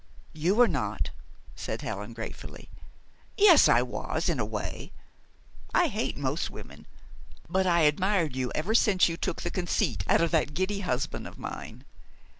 "You were not," said Helen gratefully. "Yes, I was, in a way. I hate most women; but I admired you ever since you took the conceit out of that giddy husband of mine.